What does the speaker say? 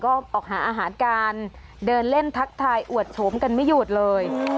ก็ออกหาอาหารการเดินเล่นทักทายอวดโฉมกันไม่หยุดเลย